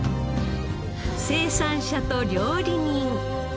生産者と料理人。